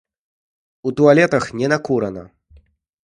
У туалетах не накурана!